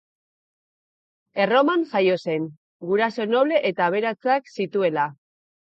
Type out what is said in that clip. Erroman jaio zen, guraso noble eta aberatsak zituela.